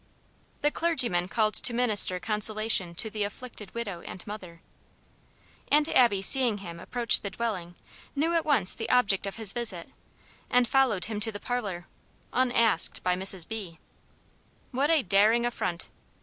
The clergyman called to minister consolation to the afflicted widow and mother. Aunt Abby seeing him approach the dwelling, knew at once the object of his visit, and followed him to the parlor, unasked by Mrs. B! What a daring affront!